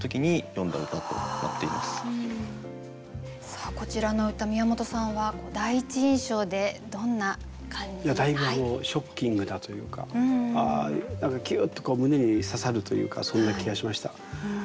さあこちらの歌宮本さんは第一印象でどんな感じ？だいぶショッキングだというかキュッと胸に刺さるというかそんな気がしました。